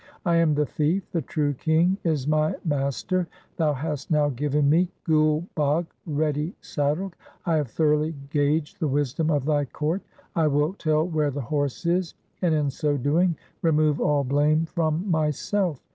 I am the thief, the true King is my master. Thou hast now given me Gul Bagh ready saddled. I have thoroughly gauged the wisdom of thy court. I will tell where the horse is, and in so doing remove all blame from myself.